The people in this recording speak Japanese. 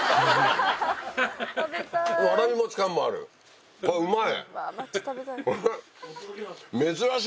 わらび餅感もあるこれうまい！